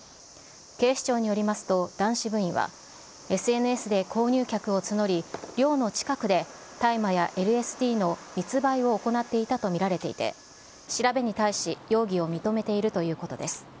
警視庁によりますと、男子部員は、ＳＮＳで購入客を募り、寮の近くで大麻やＬＳＤの密売を行っていたと見られていて、調べに対し、容疑を認めているということです。